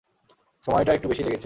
সময়টা একটু বেশিই লেগেছে।